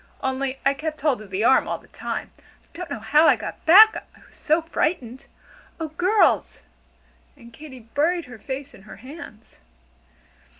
Only I kept hold of the arm all the time! I don't know how I got back, I was so frightened. Oh, girls!" and Katy buried her face in her hands.